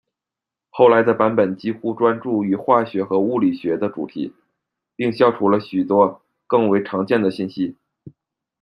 后来的版本几乎专注于化学和物理学的主题，并消除了许多更为常见的信息。